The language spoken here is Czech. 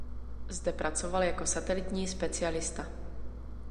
Zde pracoval jako satelitní specialista.